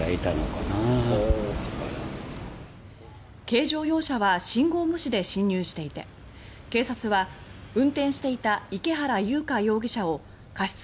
軽乗用車は信号無視で進入していて警察は運転していた池原優香容疑者を過失